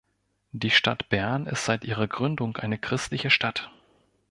Die Stadt Bern ist seit ihrer Gründung eine christliche Stadt.